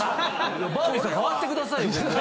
バービーさん代わってください。